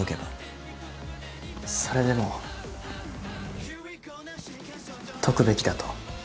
それでも解くべきだと？